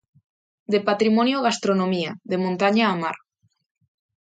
De patrimonio a gastronomía, de montaña a mar.